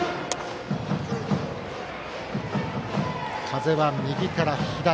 風は右から左。